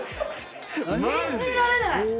信じられない！